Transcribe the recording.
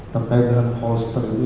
terkait dengan holster ini